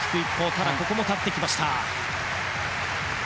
ただ、ここも立ってきました。